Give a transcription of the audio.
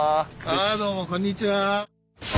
ああどうもこんにちは。